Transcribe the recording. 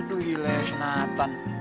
aduh gila ya senatan